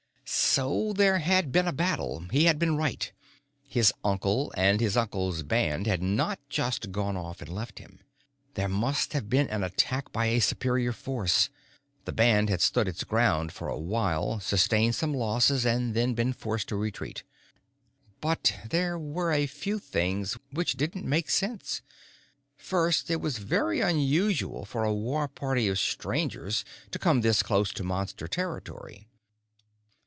So there had been a battle. He had been right his uncle and his uncle's band had not just gone off and left him. There must have been an attack by a superior force. The band had stood its ground for a while, sustained some losses, and then been forced to retreat. But there were a few things which didn't make sense. First, it was very unusual for a war party of Strangers to come this close to Monster territory.